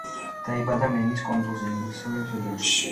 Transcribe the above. დაიბადა მენის კუნძულზე, ინგლისელების ოჯახში.